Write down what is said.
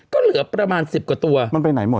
ก็เหลือประมาณ๑๐กว่าตัว